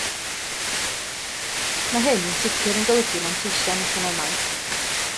Mae hyn yn sicr yn golygu manteision economaidd